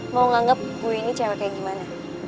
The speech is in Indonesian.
mau nganggep gue ini cewek kayak gimana